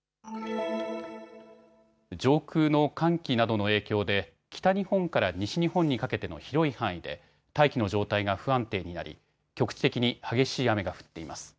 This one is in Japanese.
上空の寒気などの影響で北日本から西日本にかけての広い範囲で大気の状態が不安定になり局地的に激しい雨が降っています。